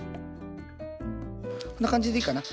こんな感じでいいかな。